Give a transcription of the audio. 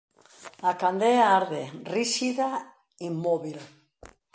A candea arde ríxida, inmóbil.